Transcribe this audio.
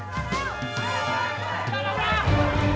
tepuk tangan tepuk tangan